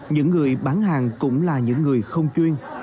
những người bán hàng cũng là những người không chuyên